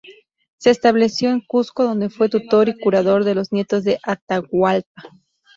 Se estableció en Cuzco, donde fue tutor y curador de los nietos de Atahualpa.